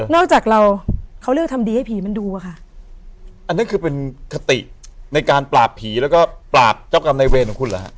จากเราเขาเลือกทำดีให้ผีมันดูอะค่ะอันนั้นคือเป็นคติในการปราบผีแล้วก็ปราบเจ้ากรรมในเวรของคุณเหรอฮะ